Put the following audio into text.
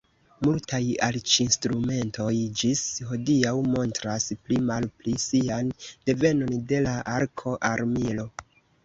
Multaj arĉinstrumentoj ĝis hodiaŭ montras pli malpli sian devenon de la arko-armilo.